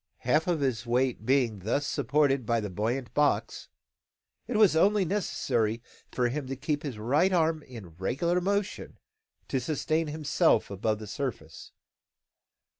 Half of his weight being thus supported by the buoyant box, it was only necessary for him to keep his right arm in regular motion to sustain himself above the surface.